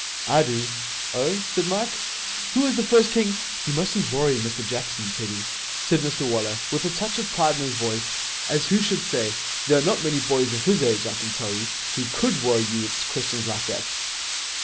'I do.' 'Oh?' said Mike. 'Who was the first king ' 'You mustn't worry Mr Jackson, Teddy,' said Mr Waller, with a touch of pride in his voice, as who should say 'There are not many boys of his age, I can tell you, who could worry you with questions like that.'